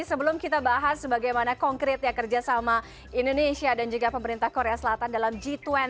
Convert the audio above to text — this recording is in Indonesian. sebelum kita bahas bagaimana konkret ya kerjasama indonesia dan juga pemerintah korea selatan dalam g dua puluh